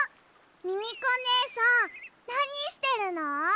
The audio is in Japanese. ミミコねえさんなにしてるの？